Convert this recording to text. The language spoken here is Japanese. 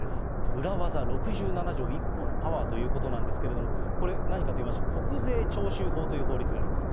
裏技６７条１項のパワーということなんですけれども、これ何かといいますと、国税徴収法という法律があります。